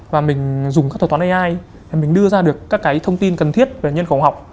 và mình dùng các thỏa toán ai để mình đưa ra được các thông tin cần thiết về nhân khẩu học